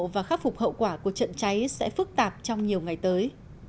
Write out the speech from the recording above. và khắc phục hậu quả của trận cháy sẽ phức tạp trong nhiều ngày tới